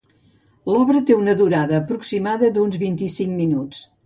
L'obra té una durada aproximada d'uns vint-i-cinc minuts.